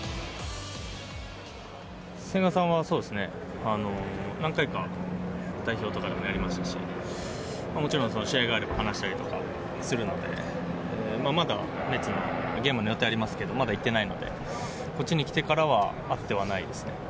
千賀さんは、そうですね、何回か代表とかでもやりましたし、もちろん試合があれば、話したりとかするので、まだメッツのゲームの予定ありますけど、まだ行ってないので、こっちに来てからは会ってはないですね。